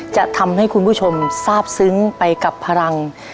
จะทำให้คุณผู้ชมทราบซึ้งไปกับพลัง